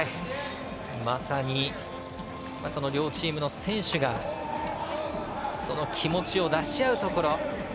まさに両チームの選手がその気持ちを出し合うところ。